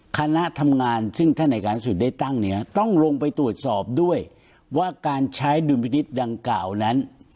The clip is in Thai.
คณะทำงานซึ่งท่านอายการที่สุดได้ตั้งเนี่ยต้องลงไปตรวจสอบด้วยว่าการใช้ดุลพินิษฐ์ดังกล่าวนั้น